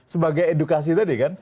sebagai edukasi tadi kan